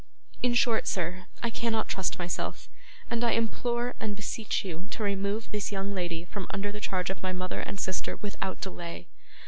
In short, sir, I cannot trust myself, and I implore and beseech you to remove this young lady from under the charge of my mother and sister without delay.